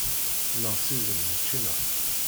Neɣs izem n ččina.